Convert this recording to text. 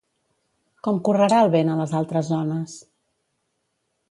Com correrà el vent a les altres zones?